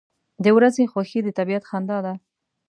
• د ورځې خوښي د طبیعت خندا ده.